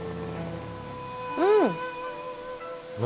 うん。